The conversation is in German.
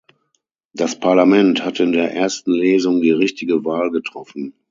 Das Parlament hatte in der ersten Lesung die richtige Wahl getroffen.